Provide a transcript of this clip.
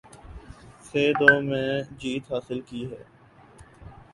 سے دو میں جیت حاصل کی ہے